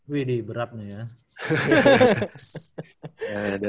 wih nih beratnya ya